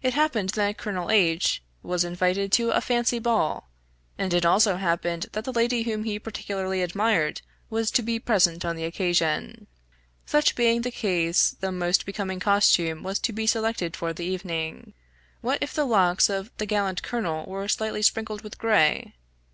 It happened that Colonel H was invited to a fancy ball; and it also happened that the lady whom he particularly admired, was to be present on the occasion. Such being the case, the most becoming costume was to be selected for the evening. What if the locks of the gallant colonel were slightly sprinkled with gray?